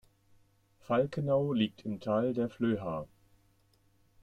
Falkenau liegt im Tal der Flöha.